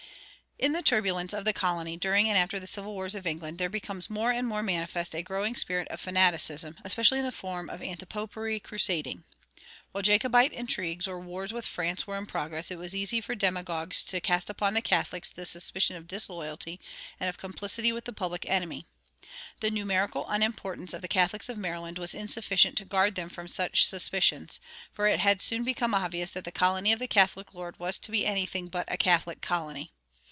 In the turbulence of the colony during and after the civil wars of England, there becomes more and more manifest a growing spirit of fanaticism, especially in the form of antipopery crusading. While Jacobite intrigues or wars with France were in progress it was easy for demagogues to cast upon the Catholics the suspicion of disloyalty and of complicity with the public enemy. The numerical unimportance of the Catholics of Maryland was insufficient to guard them from such suspicions; for it had soon become obvious that the colony of the Catholic lord was to be anything but a Catholic colony.